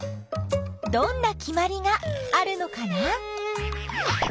どんなきまりがあるのかな？